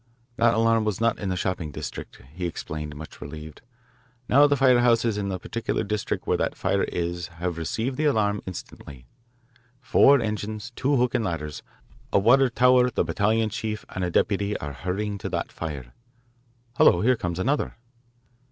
"That alarm was not in the shopping district," he explained, much relieved. "Now the fire houses in the particular district where that fire is=20have received the alarm instantly. Four engines, two hook and ladders, a water tower, the battalion chief, and a deputy are hurrying to that fire. Hello, here comes another."